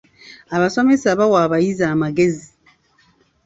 Abasomesa bawa abayizi amagezi.